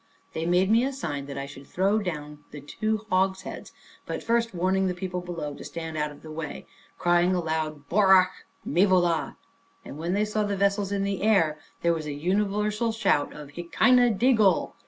_ They made me a sign that I should throw down the two hogsheads, but first warning the people below to stand out of the way, crying aloud, Borach mevolah, and when they saw the vessels in the air, there was a universal shout of _Hekinah degul.